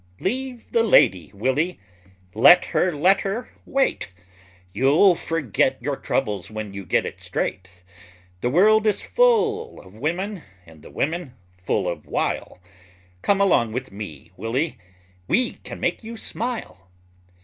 Leave the lady, Willy, let her letter wait, You'll forget your troubles when you get it straight, The world is full of women, and the women full of wile; Come along with me, Willy, we can make you smile!